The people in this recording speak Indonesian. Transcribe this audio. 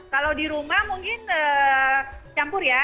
kalau di rumah mungkin campur ya